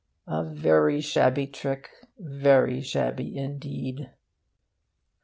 A very shabby trick very shabby indeed.